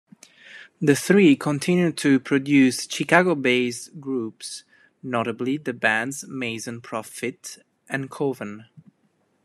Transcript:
The three continued to produce Chicago-based groups, notably the bands Mason Proffit and Coven.